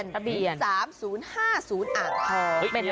แล้วก็ยังพบว่ายังไงรู้มั้ยคะบริเวณด้านกระจกหลังรถยนต์